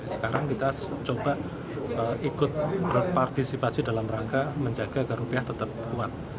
sekarang kita coba ikut berpartisipasi dalam rangka menjaga agar rupiah tetap kuat